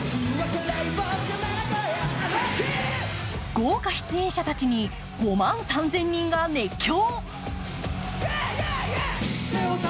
豪華出演者たちに５万３０００人が熱狂。